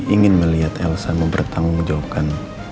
ingin melihat elsa mempertanggungjawabkan